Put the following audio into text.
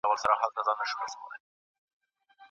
که ته نېک سړی یې نو شکر به دي قبول سي.